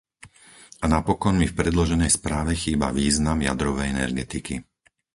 A napokon mi v predloženej správe chýba význam jadrovej energetiky.